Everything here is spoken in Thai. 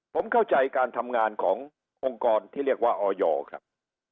ผมเข้าใจการทำงานขององค์กรที่เรียกว่าออยครับ